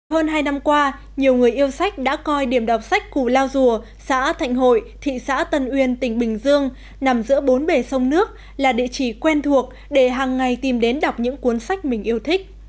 hơn hai năm qua nhiều người yêu sách đã coi điểm đọc sách cù lao dùa xã thạnh hội thị xã tân uyên tỉnh bình dương nằm giữa bốn bể sông nước là địa chỉ quen thuộc để hàng ngày tìm đến đọc những cuốn sách mình yêu thích